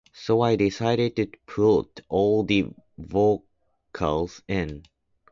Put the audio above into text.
So I decided to put all the vocals in.